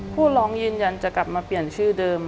ผู้ร้องยืนยันจะกลับมาเปลี่ยนชื่อเดิม